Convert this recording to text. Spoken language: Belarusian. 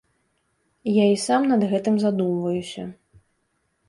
Я і сам над гэтым задумваюся.